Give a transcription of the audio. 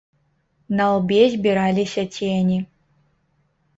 На лбе збіраліся цені.